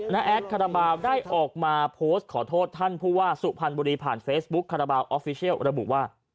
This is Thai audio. แอดคาราบาลได้ออกมาโพสต์ขอโทษท่านผู้ว่าสุพรรณบุรีผ่านเฟซบุ๊คคาราบาลออฟฟิเชียลระบุว่า